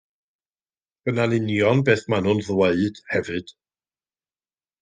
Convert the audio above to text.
Dyna'n union beth maen nhw'n ddweud hefyd.